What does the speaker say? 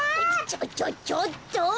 ちょちょちょっと！